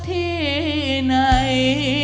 ไม่ใช้